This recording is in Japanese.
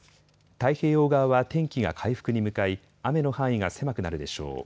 太平洋側は天気が回復に向かい雨の範囲が狭くなるでしょう。